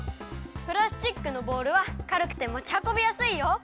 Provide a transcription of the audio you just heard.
プラスチックのボウルはかるくてもちはこびやすいよ！